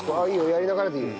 やりながらでいいよ。